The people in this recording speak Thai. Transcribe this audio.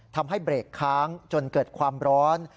ทำให้เบรกค้างจนเกิดความร้อน